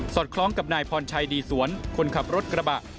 คล้องกับนายพรชัยดีสวนคนขับรถกระบะ